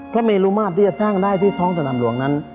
พระเมรุมาตรที่จะสร้างได้ที่ท้องสนามหลวงนั้น